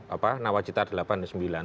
apa nawacita delapan dan sembilan